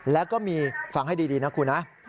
แล้วก็มีฟังให้ดีนะครับคุณ